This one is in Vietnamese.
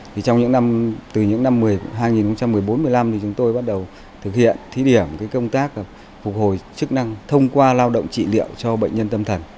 thì từ những năm hai nghìn một mươi bốn hai nghìn một mươi năm thì chúng tôi bắt đầu thực hiện thí điểm công tác phục hồi chức năng thông qua lao động trị liệu cho bệnh nhân tâm thần